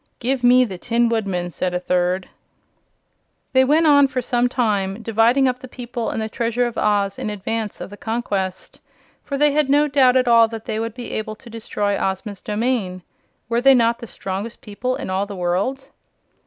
"Give me the Tin Woodman," said a third. They went on for some time, dividing up the people and the treasure of Oz in advance of the conquest. For they had no doubt at all that they would be able to destroy Ozma's domain. Were they not the strongest people in all the world?